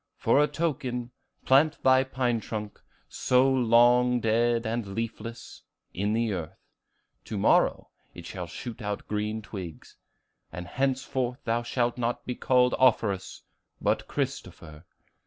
For a token, plant thy pine trunk, so long dead and leafless, in the earth; to morrow it shall shoot out green twigs. And henceforth thou shalt not be called Offerus, but Christopher.